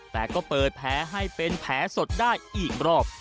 แต่ก็เปิดแผลให้เป็นแผลสดได้อีกรอบ